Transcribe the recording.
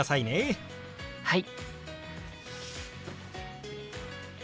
はい！